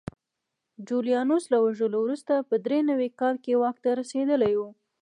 جولیانوس له وژلو وروسته په درې نوي کال کې واک ته رسېدلی و